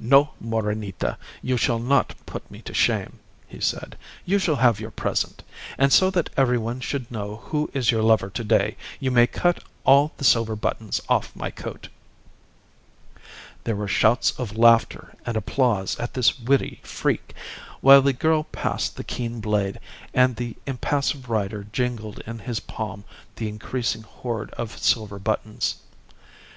"No, Morenita! You shall not put me to shame," he said. "You shall have your present; and so that everyone should know who is your lover to day, you may cut all the silver buttons off my coat." There were shouts of laughter and applause at this witty freak, while the girl passed the keen blade, and the impassive rider jingled in his palm the increasing hoard of silver buttons.